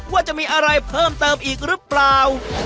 ว่าจะมีอะไรเพิ่มเติมอีกหรือเปล่า